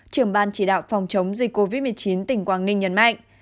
trưởng ban chỉ đạo phòng chống dịch covid một mươi chín tỉnh quảng ninh nhấn mạnh